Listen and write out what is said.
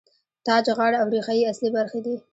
تاج، غاړه او ریښه یې اصلي برخې دي.